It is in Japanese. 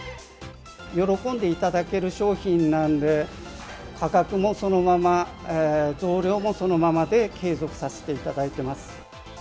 喜んでいただける商品なんで、価格もそのまま、増量もそのままで継続させていただいてます。